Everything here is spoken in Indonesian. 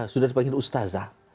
sudah dipanggil ustazah